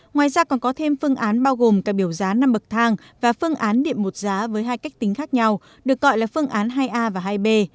ngoài ra còn có thêm phương án bao gồm cả biểu giá năm bậc thang và phương án điện một giá với hai cách tính khác nhau được gọi là phương án hai a và hai b